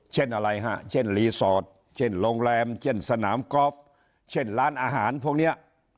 อะไรฮะเช่นรีสอร์ทเช่นโรงแรมเช่นสนามกอล์ฟเช่นร้านอาหารพวกนี้